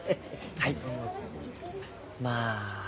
はい。